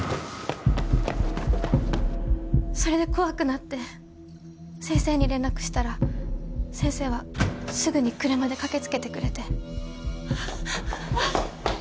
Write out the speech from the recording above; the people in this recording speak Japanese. それで怖くなって先生に連絡したら先生はすぐに車で駆け付けてくれて。